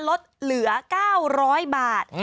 ลดเหลือ๙๐๐บาท